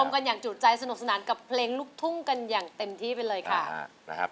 กันอย่างจุใจสนุกสนานกับเพลงลูกทุ่งกันอย่างเต็มที่ไปเลยค่ะนะครับ